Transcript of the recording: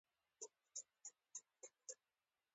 چوپتیا هم د ظلم ژبه ده.